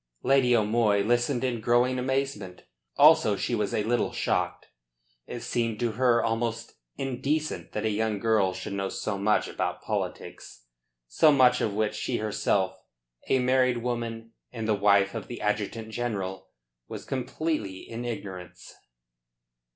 Lady O'Moy listened in growing amazement. Also she was a little shocked. It seemed to her almost indecent that a young girl should know so much about politics so much of which she herself, a married woman, and the wife of the adjutant general, was completely in ignorance.